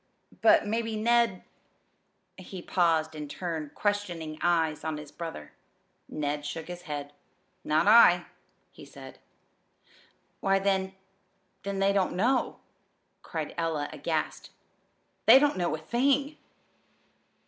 But maybe Ned " He paused and turned questioning eyes on his brother. Ned shook his head. "Not I," he said. "Why, then then they don't know," cried Ella, aghast. "They don't know a thing!"